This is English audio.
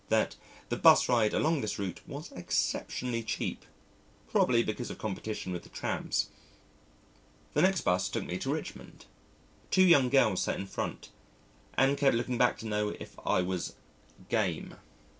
that the 'bus ride along this route was exceptionally cheap probably because of competition with the trams. The next 'bus took me to Richmond. Two young girls sat in front, and kept looking back to know if I was "game."